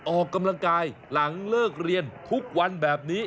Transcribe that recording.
ออกกำลังกายหลังเลิกเรียนทุกวันแบบนี้